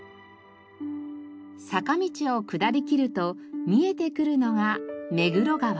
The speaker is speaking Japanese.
坂道を下りきると見えてくるのが目黒川。